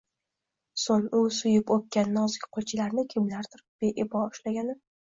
Soʼng: u suyib oʼpgan nozik qoʼlchalarni kimlardir beibo ushlagani…